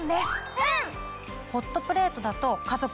うん！